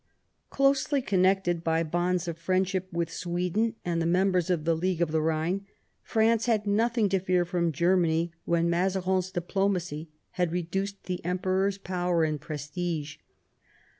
Closely connected by bonds of friendship with Sweden and the members of the League of the Rhine, France had nothing to fear from Germany when Mazarin's diplomacy had reduced the Emperor's power and prestige.